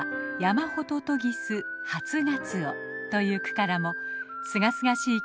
という句からもすがすがしい